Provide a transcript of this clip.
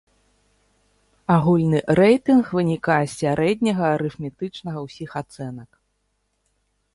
Агульны рэйтынг вынікае з сярэдняга арыфметычнага ўсіх ацэнак.